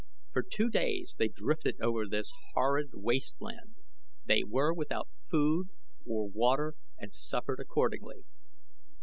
For two days they drifted over this horrid wasteland. They were without food or water and suffered accordingly.